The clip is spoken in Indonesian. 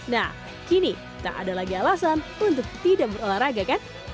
nah kini tak ada lagi alasan untuk tidak berolahraga kan